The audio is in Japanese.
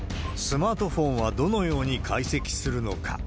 スマートフォンはどのように解析するのか。